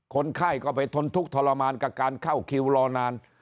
คนไข้ก็ไปทนทุกข์ทรมานกับการเข้าคิวรอนาน